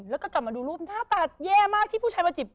แล้วก็กลับมาดูรูปหน้าตาแย่มากที่ผู้ชายมาจีบ